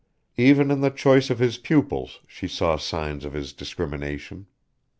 Even in the choice of his pupils she saw signs of his discrimination.